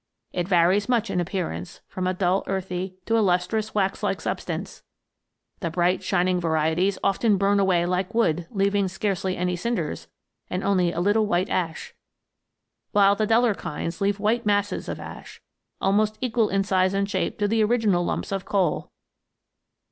It varies much in appearance, from a dull earthy to a lustrous wax like substance. The bright shining varieties often burn away like wood, leaving scarcely any cinders and only a little white ash, while the duller kinds leave white masses of ash, almost equal in size and shape to the original lumps of coal.